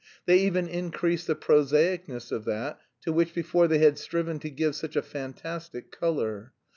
They even increased the prosaicness of that to which before they had striven to give such a fantastic colour.